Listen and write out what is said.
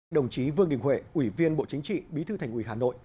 đồng chí vương đình huệ ủy viên bộ chính trị bí thư thành ủy hà nội